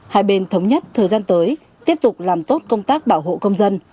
hai bên thống nhất thời gian tới tiếp tục làm tốt công tác bảo hộ công dân